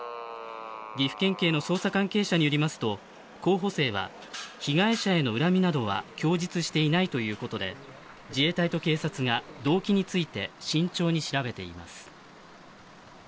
岐阜県警の捜査関係者によりますと候補生は被害者への恨みなどは供述していないということで自衛隊と警察が動機について慎重に調べています。